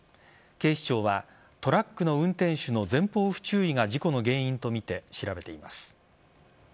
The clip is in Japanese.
警視庁はトラックの運転手の前方不注意が事故の原因とみて調べています。